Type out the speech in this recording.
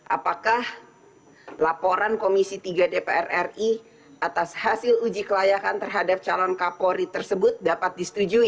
apakah laporan komisi tiga dpr ri atas hasil uji kelayakan terhadap calon kapolri tersebut dapat disetujui